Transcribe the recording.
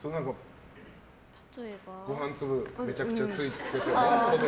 ご飯粒めちゃくちゃついててとかも？